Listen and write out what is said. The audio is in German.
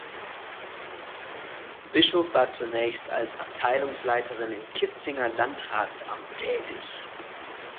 Bischof war zunächst als Abteilungsleiterin im Kitzinger Landratsamt tätig.